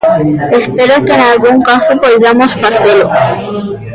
Espero que nalgún caso poidamos facelo.